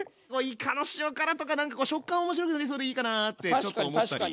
いかの塩辛とかなんか食感面白くなりそうでいいかなってちょっと思ったり。